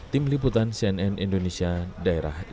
tim liputan cnn indonesia daerah is